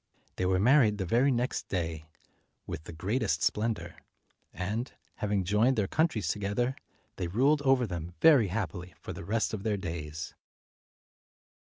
They were married the very next day, with the greatest splendor; and, having joined their countries together, they ruled over them very happily for the rest of their days.